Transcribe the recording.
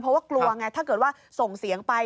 เพราะว่ากลัวไงถ้าเกิดว่าส่งเสียงไป